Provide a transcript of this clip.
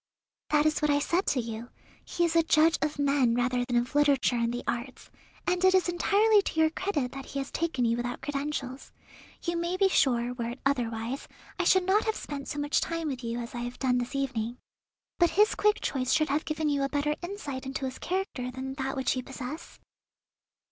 "That is what I said to you; he is a judge of men rather than of literature and the arts; and it is entirely to your credit that he has taken you without credentials. You may be sure, were it otherwise, I should not have spent so much time with you as I have done this evening. But his quick choice should have given you a better insight into his character than that which you possess?"